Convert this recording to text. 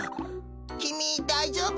きみだいじょうぶ？